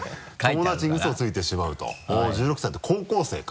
友達にウソをついてしまうと１６歳だったら高校生か。